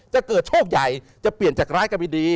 จะเกิดโชคใหญ่จะเปลี่ยนจากร้ายกาบิดี